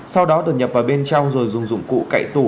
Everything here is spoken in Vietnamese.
sau đó đột nhập vào bên trong rồi dùng dụng cụ cậy tủ